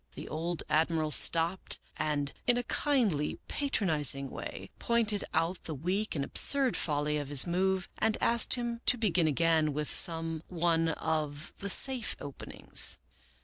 The old Admiral stopped and, in a kindly patronizing way, pointed out the weak and absurd folly of his move and asked him to begin again with some one of the safe openings.